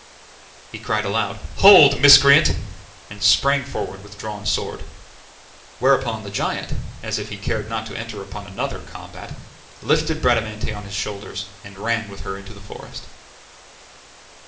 He cried aloud, "Hold, miscreant!" and sprang forward with drawn sword. Whereupon the giant, as if he cared not to enter upon another combat, lifted Bradamante on his shoulders, and ran with her into the forest.